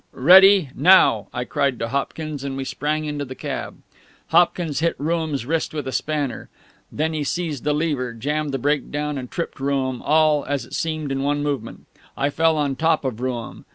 "Ready? Now!" I cried to Hopkins; and we sprang into the cab. Hopkins hit Rooum's wrist with a spanner. Then he seized the lever, jammed the brake down and tripped Rooum, all, as it seemed, in one movement. I fell on top of Rooum.